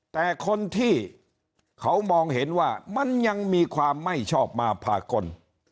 แต่คนที่เขามองเห็นว่ามันยังมีความไม่ชอบมาพากล